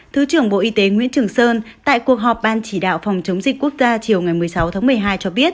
thứ trưởng bộ y tế nguyễn trường sơn tại cuộc họp ban chỉ đạo phòng chống dịch quốc gia chiều ngày một mươi sáu tháng một mươi hai cho biết